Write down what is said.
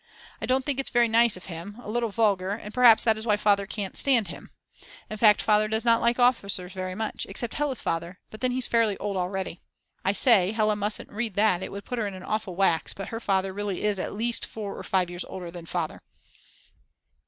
I don't think it's very nice of him, a little vulgar, and perhaps that is why Father can't stand him. In fact Father does not like any officers very much, except Hella's father, but then he's fairly old already. I say, Hella mustn't read that, it would put her in an awful wax; but her father really is at least 4 or 5 years older than Father.